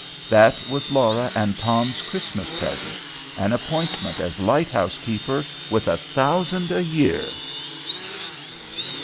That was Laura and Tom's Christmas present. An appointment as light house keeper, with a thousand a year!